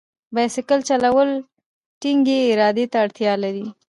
بایسکل چلول ټینګې ارادې ته اړتیا لري.